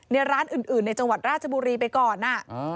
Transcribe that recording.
ในร้านอื่นในจังหวัดราชบุรีไปก่อน